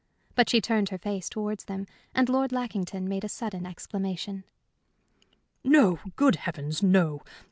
But she turned her face towards them, and Lord Lackington made a sudden exclamation. "No! Good Heavens, no!